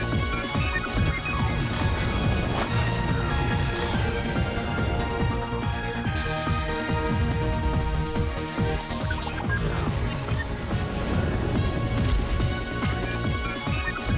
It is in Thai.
โปรดติดตามตอนต่อไป